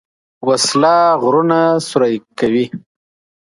وسله غرونه سوری کوي